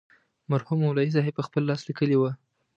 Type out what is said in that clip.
مرحوم مولوي صاحب پخپل لاس لیکلې وه.